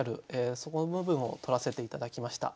そこの部分をとらせて頂きました。